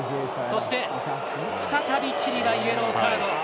再び、チリがイエローカード。